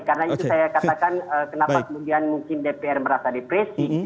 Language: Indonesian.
karena itu saya katakan kenapa kemudian mungkin dpr merasa depresi